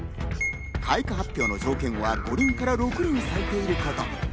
開花発表の条件は５輪から６輪咲いていること。